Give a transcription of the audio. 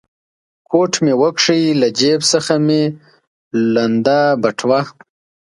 کوټ مې و کښ، له جېب څخه مې لوند بټوه.